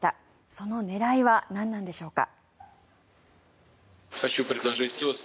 その狙いは何なんでしょうか。